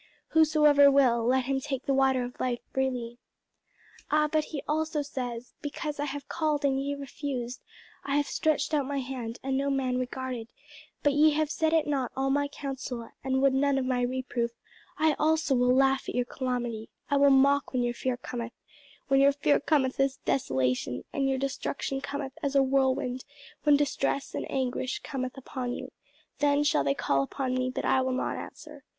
'Whosoever will, let him take the water of life freely.'" "Ah, but he also says, 'Because I have called and ye refused; I have stretched out my hand, and no man regarded; but ye have set at naught all my counsel, and would none of my reproof; I also will laugh at your calamity; I will mock when your fear cometh; when your fear cometh as desolation, and your destruction cometh as a whirlwind; when distress and anguish cometh upon you. Then shall they call upon me, but I will not answer.'